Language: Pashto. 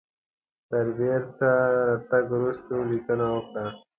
تر بیرته راتګ وروسته لیکنه وکړه.